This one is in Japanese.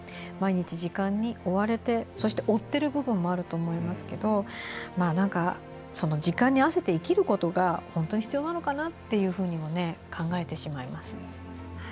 毎日、時間に追われてそして追っている部分もあると思いますけど時間に合わせて生きることが本当に必要なのかなっていうふうにも考えてしまいます。